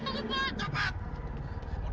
oh itu siapa pak